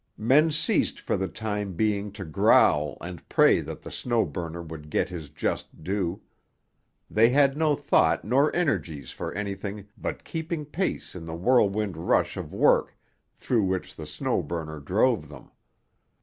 Men ceased for the time being to growl and pray that the Snow Burner would get his just due. They had no thought nor energies for anything but keeping pace in the whirlwind rush of work through which the Snow Burner drove them.